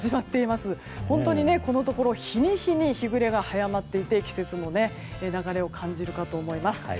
本当にこのところ日に日に日暮れが早まっていて季節の流れを感じるかと思います。